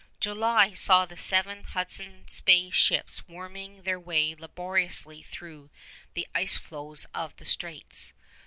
July saw the seven Hudson's Bay ships worming their way laboriously through the ice floes of the straits.